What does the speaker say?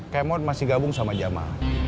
kemot masih gabung sama jama